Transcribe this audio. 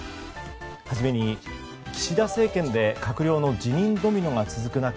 初めに岸田政権で閣僚の辞任ドミノが続く中